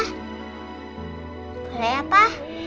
boleh ya pa